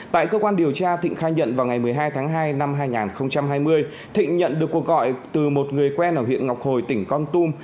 tại cơ quan điều tra thịnh khai nhận vào ngày một mươi hai tháng hai năm hai nghìn hai mươi thịnh nhận được cuộc gọi từ một người quen ở huyện ngọc hồi tỉnh con tum